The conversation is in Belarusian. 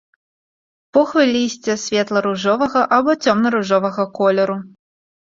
Похвы лісця светла-ружовага або цёмна-ружовага колеру.